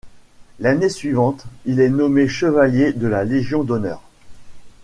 L'année suivante, il est nommé chevalier de la Légion d'honneur.